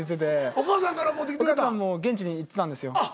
お母さんも現地に行ってたんですよ。